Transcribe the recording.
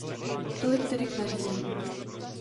Tolik tedy k nařízení.